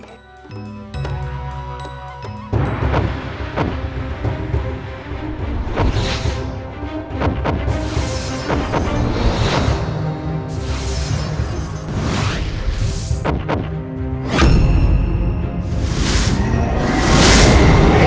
aku akan mencari pernikahan yang lebih baik